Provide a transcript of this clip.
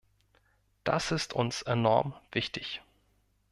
Das ist uns enorm wichtig.